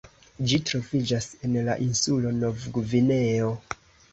Ĝi troviĝas en la insulo Novgvineo.